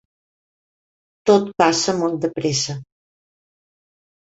Tot passa molt de pressa.